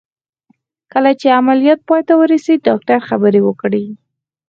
کله چې عمليات پای ته ورسېد ډاکتر خبرې وکړې.